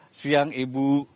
selamat siang ibu